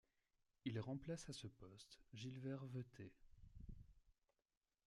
Il remplace à ce poste Gilbert Veuthey.